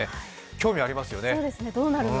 興味ありますよね。